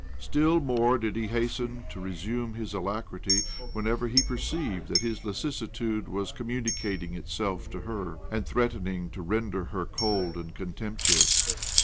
Still more did he hasten to resume his alacrity whenever he perceived that his lassitude was comtaunicating itself to her, and threatening to render her cold and contemptuous.